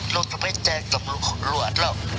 ลูกจะไปแจกกับลูกหลวดแล้ว